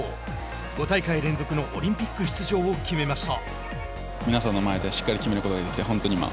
５大会連続のオリンピック出場を決めました。